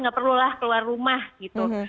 nggak perlulah keluar rumah gitu